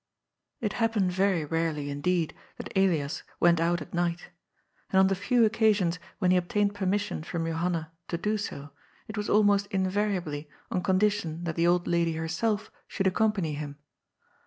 It happened yery rarely indeed that Elias went ont at night. And on the few occasions when he obtained per mission from Johanna to do so, it was almost invariably on condition that the old lady herself should accompany him.